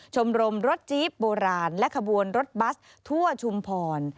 ชมรมรถจี๊บโบราณและขบวนรถบัสทั่วชุมพร